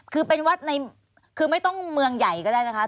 คือเป็นวัดในคือไม่ต้องเมืองใหญ่ก็ได้นะคะ